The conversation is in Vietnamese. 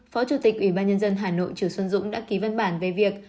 phó chủ tịch ủy ban nhân dân hà nội trừ xuân dũng đã ký văn bản về việc